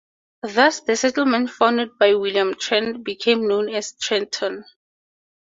Thus the settlement founded by William Trent became known as Trenton.